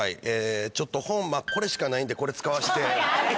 えちょっと本これしかないんでこれ使わして。